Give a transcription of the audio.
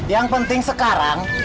yang penting sekarang